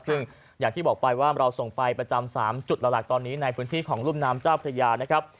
ซึ่งอย่างที่บอกไปว่าเราส่งไปประจำ๓จุดหลักตอนนี้ในพื้นที่ของรุ่มน้ำเจ้าพระยานะครับ